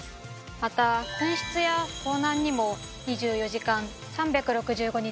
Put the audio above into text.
また紛失や盗難にも２４時間３６５日